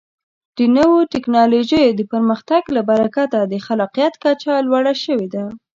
د نوو ټکنالوژیو د پرمختګ له برکته د خلاقیت کچه لوړه شوې ده.